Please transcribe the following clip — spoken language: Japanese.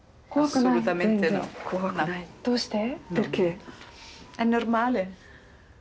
どうして？